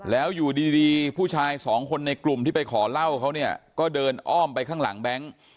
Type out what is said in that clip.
แล้วอยู่ดีผู้ชายสองคนในกลุ่มที่ไปขอเหล้าเขาเนี่ยก็เดินอ้อมไปข้างหลังแบงค์